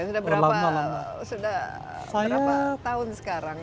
sudah berapa tahun sekarang